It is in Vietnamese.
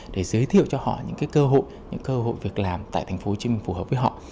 để giới thiệu cho họ những cơ hội những cơ hội việc làm tại thành phố hồ chí minh phù hợp với họ